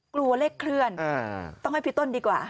กลัวเลขเคลื่อนต้องให้พี่ต้นดีกว่า